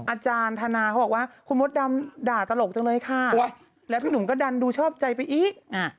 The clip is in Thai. อาจารย์ธนาเขาบอกว่าคุณมดดำด่าตลกจังเลยค่ะแล้วพี่หนุ่มก็ดันดูชอบใจไปอีก